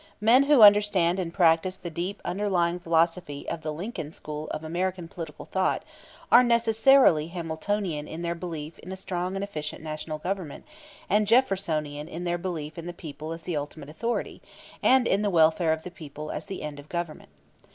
Men who understand and practice the deep underlying philosophy of the Lincoln school of American political thought are necessarily Hamiltonian in their belief in a strong and efficient National Government and Jeffersonian in their belief in the people as the ultimate authority, and in the welfare of the people as the end of Government.